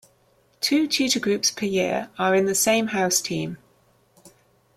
Two tutor groups per year are in the same house team.